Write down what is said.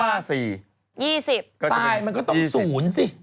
ตายมันก็ต้อง๐สิ